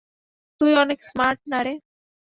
তুই অনেক স্মার্ট না রে?